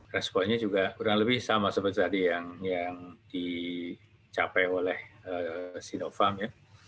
responnya juga kurang lebih sama seperti tadi yang dicapai oleh sinovac ya